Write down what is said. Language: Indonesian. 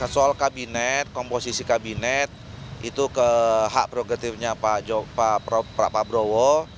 soal kabinet komposisi kabinet itu ke hak prerogatifnya pak prabowo